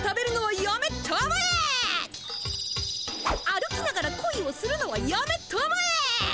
歩きながらこいをするのはやめたまえ！